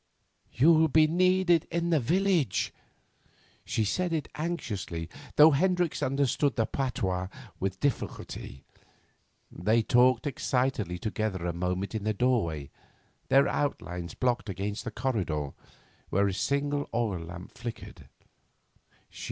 You'll be needed in the village.' She said it anxiously, though Hendricks understood the patois with difficulty. They talked excitedly together a moment in the doorway, their outlines blocked against the corridor where a single oil lamp flickered.